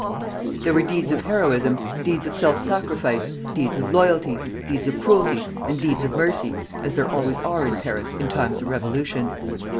There were deeds of heroism, deeds of self sacrifice. deeds of loyalty, deeds of cruelty, and deeds of mercy, as there always are in Paris in times of revolution.